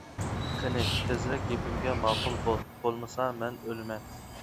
قېنى، تېزرەك گېپىمگە ماقۇل بول، بولمىسا، مەن ئۆلىمەن!